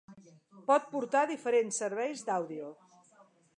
Pot portar diferents serveis d'àudio.